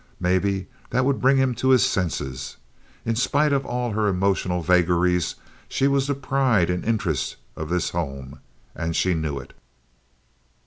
Maybe that would bring him to his senses. In spite of all her emotional vagaries, she was the pride and interest of this home, and she knew it.